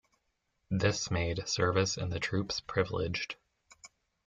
This made service in the troops privileged.